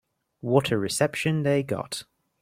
What a reception they got.